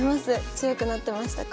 強くなってましたか？